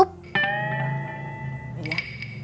basah tangan wajahnya